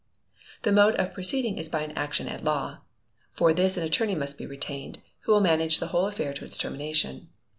The mode of proceeding is by an action at law. For this an attorney must be retained, who will manage the whole affair to its termination.